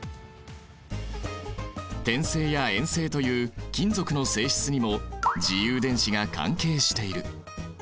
展性や延性という金属の性質にも自由電子が関係している。